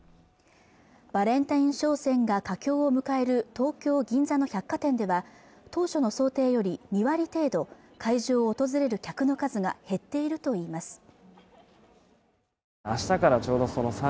バレンタイン商戦が佳境を迎える東京・銀座の百貨店では当初の想定より２割程度、会場を訪れる客の数が減っているといいます